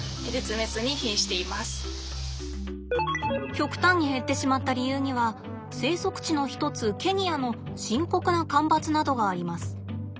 極端に減ってしまった理由には生息地の一つケニアの深刻な干ばつなどがあります。